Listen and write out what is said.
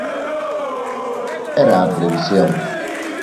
Era a previsión.